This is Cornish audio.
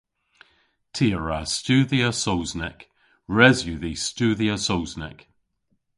Ty a wra studhya Sowsnek. Res yw dhis studhya Sowsnek.